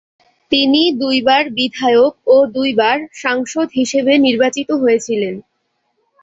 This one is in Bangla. তিনি দুইবার বিধায়ক ও দুইবার সাংসদ হিসেবে নির্বাচিত হয়েছিলেন।